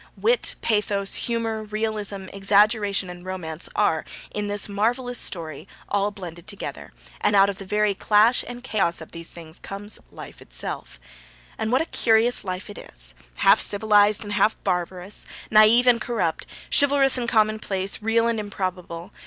Wit, pathos, humour, realism, exaggeration, and romance are in this marvellous story all blended together, and out of the very clash and chaos of these things comes life itself. And what a curious life it is, half civilised and half barbarous, naive and corrupt, chivalrous and commonplace, real and improbable!